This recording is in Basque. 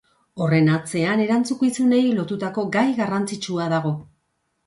Horren atzean erantzukizunei lotutako gai garrantzitsua dago.